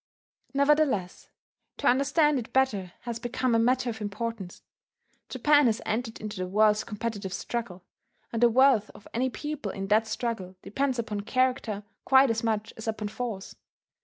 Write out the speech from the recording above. Nevertheless, to understand it better has become a matter of importance. Japan has entered into the world's competitive struggle; and the worth of any people in that struggle depends upon character quite as much as upon force.